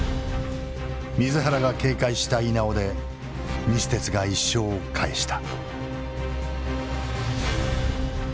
水原が警戒した稲尾で西鉄が１勝を返した。